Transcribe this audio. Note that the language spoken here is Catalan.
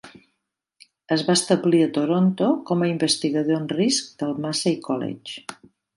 Es va establir a Toronto com a investigador en risc del Massey College.